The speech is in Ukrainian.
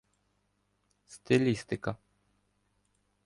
Стилістика